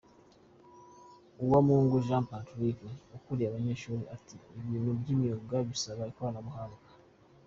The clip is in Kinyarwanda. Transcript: Uwamungu Jean Patrick, ukuriye abanyeshuri, ati «Ibintu by’imyuga bisaba ikoranabuhanga.